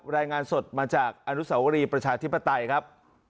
รายงานสดมาจากอนุสาวรีประชาธิปไตยครับ